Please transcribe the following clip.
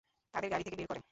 তাদের গাড়ি থেকে বের করে।